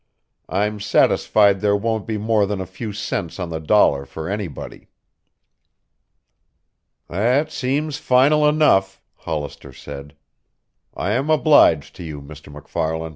I'm satisfied there won't be more than a few cents on the dollar for anybody." "That seems final enough," Hollister said. "I am obliged to you, Mr. MacFarlan."